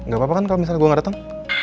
gapapa kan kalau misalnya gue gak dateng